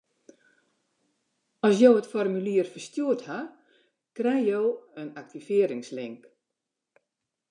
At jo it formulier ferstjoerd hawwe, krijge jo in aktivearringslink.